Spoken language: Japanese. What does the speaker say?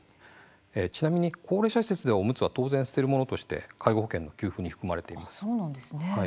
ちなみに、高齢者施設ではおむつは当然捨てるものとして介護保険の給付費に含まれています。